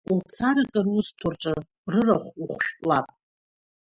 Уцар, акыр узҭо рҿы рырахә ухәшәтәлап…